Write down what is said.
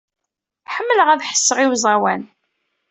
Ḥemmleɣ ad ḥesseɣ i uẓawan.